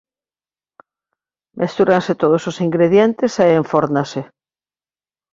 Mestúranse todos os ingredientes e enfórnase.